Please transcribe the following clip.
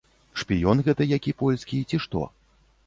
Шпіён гэта які польскі, ці што?